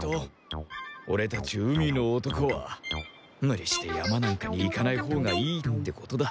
オレたち海の男はムリして山なんかに行かないほうがいいってことだ。